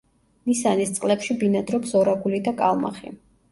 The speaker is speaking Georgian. ნისანის წყლებში ბინადრობს ორაგული და კალმახი.